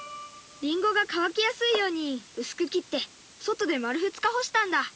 りんごが乾きやすいように薄く切って外で丸２日干したんだ。